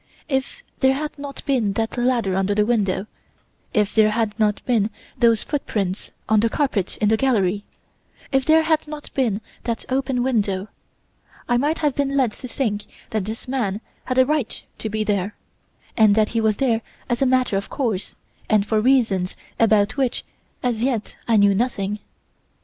If there had not been that ladder under the window; if there had not been those footprints on the carpet in the gallery; if there had not been that open window, I might have been led to think that this man had a right to be there, and that he was there as a matter of course and for reasons about which as yet I knew nothing.